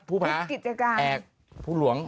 ผู้ผ้าผู้หลวง